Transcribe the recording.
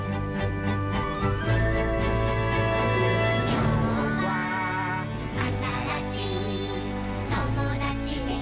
「きょうはあたらしいともだちできるといいね」